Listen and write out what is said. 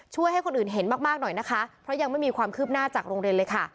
ให้คนอื่นเห็นมากมากหน่อยนะคะเพราะยังไม่มีความคืบหน้าจากโรงเรียนเลยค่ะ